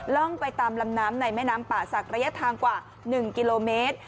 ร่องไปตามลำน้ำในแม่น้ำป่าศักดิระยะทางกว่า๑กิโลเมตร